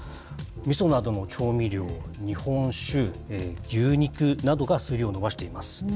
みそなどの調味料、日本酒、牛肉などが数量を伸ばしています。